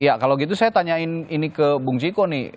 ya kalau gitu saya tanyain ini ke bung ciko nih